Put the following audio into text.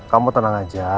kamu tenang aja